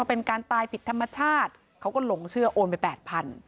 เป็นการตายผิดธรรมชาติเขาก็หลงเชื่อโอนไปแปดพัน